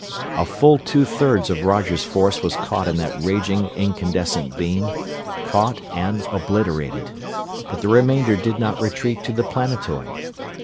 A full two thirds of Roger's force was caught in that raging, incandescent beam; caught and obliterated: but the remainder did not retreat to the planetoid.